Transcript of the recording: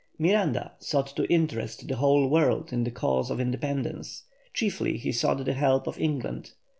Miranda sought to interest the whole world in the cause of independence; chiefly he sought the help of England.